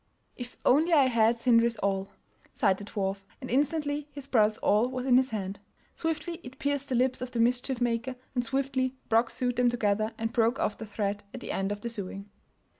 "If only I had Sindri's awl," sighed the dwarf, and instantly his brother's awl was in his hand. Swiftly it pierced the lips of the mischief maker, and swiftly Brok sewed them together and broke off the thread at the end of the sewing.